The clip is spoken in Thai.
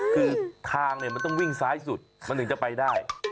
คือทางมันต้องวิ่งซ้ายสุดเราถึงจะไปได้